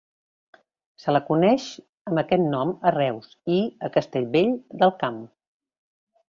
Se la coneix amb aquest nom a Reus i a Castellvell del Camp.